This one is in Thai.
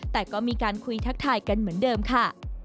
แต่ก็มีการคุยทักทายกันเหมือนเดิมค่ะ